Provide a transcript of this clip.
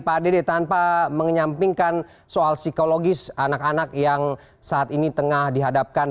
pak dede tanpa menyampingkan soal psikologis anak anak yang saat ini tengah dihadapkan